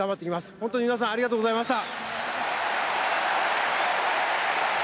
本当に皆さん、ありがとうございました。